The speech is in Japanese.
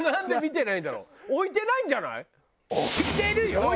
置いてる？